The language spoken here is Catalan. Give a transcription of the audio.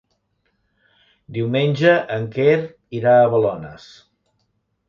Diumenge en Quer irà a Balones.